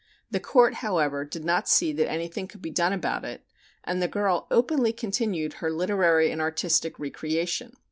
The Court, however, did not see that anything could be done about it and the girl openly continued her literary and artistic recreation.